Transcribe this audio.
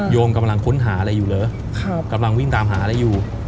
มกำลังค้นหาอะไรอยู่เหรอกำลังวิ่งตามหาอะไรอยู่